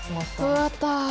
終わった。